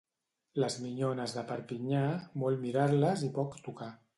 Les minyones de Perpinyà, molt mirar-les i poc tocar.